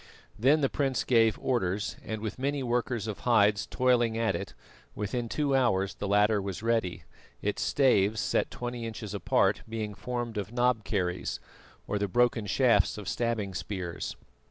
Then the prince gave orders, and, with many workers of hides toiling at it, within two hours the ladder was ready, its staves, set twenty inches apart, being formed of knob kerries, or the broken shafts of stabbing spears.